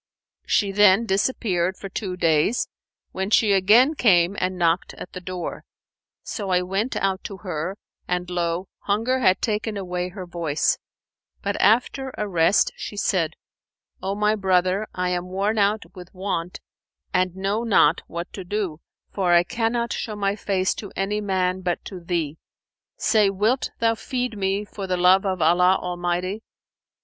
She then disappeared for two days, when she again came and knocked at the door; so I went out to her, and lo! hunger had taken away her voice; but, after a rest she said, 'O my brother, I am worn out with want and know not what to do, for I cannot show my face to any man but to thee. Say, wilt thou feed me for the love of Allah Almighty?'